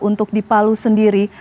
untuk di palu sendiri